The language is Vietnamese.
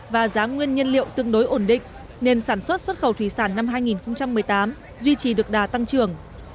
và giá nguyên nhân liệu tương đối ổn định nên sản xuất xuất khẩu thủy sản năm hai nghìn một mươi tám duy trì được đà tăng trưởng